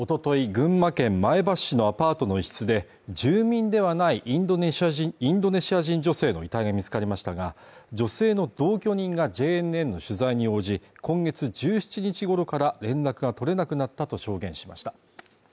群馬県前橋市のアパートの一室で住民ではないインドネシア人女性の遺体が見つかりましたが女性の同居人がＪＮＮの取材に応じ今月１７日ごろから連絡が取れなくなったと証言しました